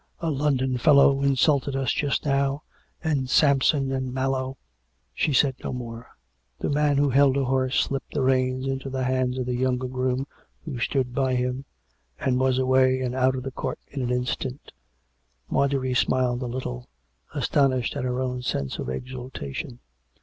" A London fellow insulted us just now, and Sampson and Mallow " She said no more. The man who held her horse slipped the reins into the hands of the younger groom who stood by him, and was away and out of the court in an instant. Marjorie smiled a little, astonished at her own sense of exultation.